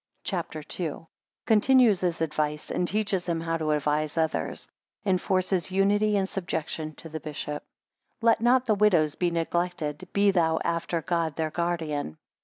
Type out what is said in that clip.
CHAPTER II. 1 Continues his advice, 6 and teaches him how to advise others. 12 Enforces unity and subjection to the bishop. LET not the widows be neglected: be thou after God, their Guardian.